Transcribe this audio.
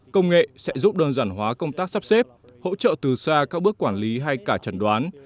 công nghệ sẽ giúp đơn giản hóa công tác sắp xếp hỗ trợ từ xa các bước quản lý hay cả chẩn đoán